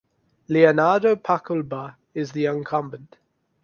Leonardo Paculba is the incumbent.